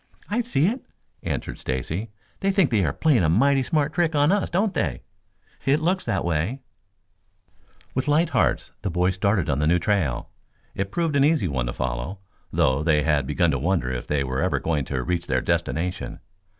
"I see it," answered Stacy. "They think they are playing a mighty smart trick on us, don't they?" "It looks that way." [Illustration: "We're lost!"] With light hearts the boys started on the new trail. It proved an easy one to follow, though they had begun to wonder if they ever were going to reach their destination.